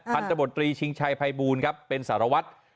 พันธบตรีชิงชัยภัยบูลครับเป็นสารวัตร